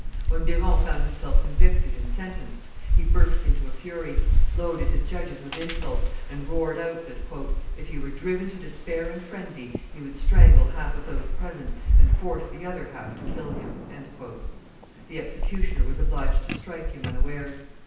When Biron found himself convicted and sentenced, he burst into a fury, loaded his judges with insults, and roared out that "if he were driven to despair and frenzy, he would strangle half of those present and force the other half to kill him." The executioner was obliged to strike him unawares.